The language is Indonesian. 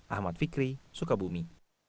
ahmad fikri sukabumi